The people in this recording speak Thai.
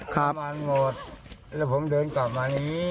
ประมาณหมดแล้วผมเดินกลับมานี่